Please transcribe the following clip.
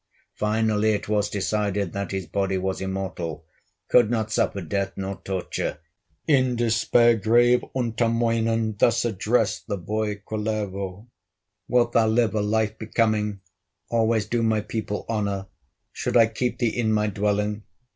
Finally it was decided That his body was immortal, Could not suffer death nor torture. In despair grave Untamoinen Thus addressed the boy, Kullervo: "Wilt thou live a life becoming, Always do my people honor, Should I keep thee in my dwelling?